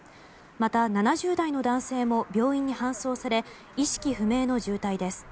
また、７０代の男性も病院に搬送され意識不明の重体です。